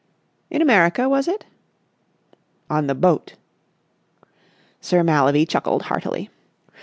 "In America, was it?" "On the boat." Sir Mallaby chuckled heartily.